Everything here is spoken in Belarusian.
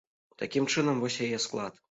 Такім чынам, вось яе склад.